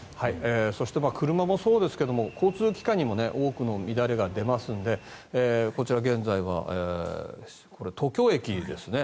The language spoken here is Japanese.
そして、車もそうですが交通機関にも多くの乱れが出ますのでこちら、現在は東京駅ですね。